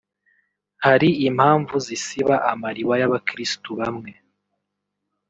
Hari impamvu zisiba amariba y’abakiristu bamwe